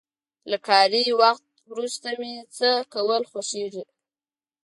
له کاري وخت وروسته مې څه کول خوښيږي؟